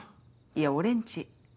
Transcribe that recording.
いや俺んち。